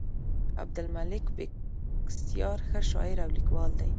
عبدالمالک بېکسیار ښه شاعر او لیکوال دی.